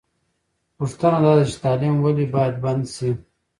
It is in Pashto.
پوښتنه دا ده چې تعلیم ولې باید بند سي؟